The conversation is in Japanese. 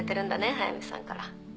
速見さんから。